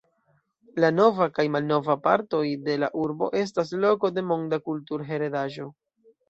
La nova kaj malnova partoj de la urbo estas loko de Monda kulturheredaĵo.